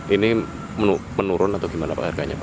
ini menurun atau gimana harganya